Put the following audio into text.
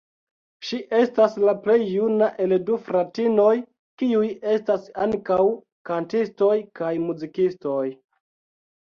Ŝi estas la plej juna el du fratinoj, kiuj estas ankaŭ kantistoj kaj muzikistoj.